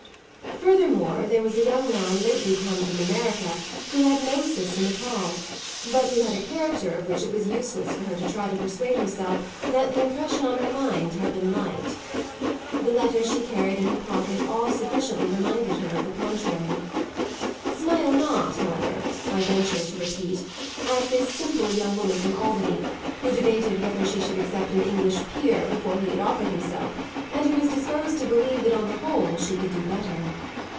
Furthermore there was a young man lately come from America who had no system at all, but who had a character of which it was useless for her to try to persuade herself that the impression on her mind had been light. The letter she carried in her pocket all sufficiently reminded her of the contrary. Smile not, however, I venture to repeat, at this simple young woman from Albany who debated whether she should accept an English peer before he had offered himself and who was disposed to believe that on the whole she could do better.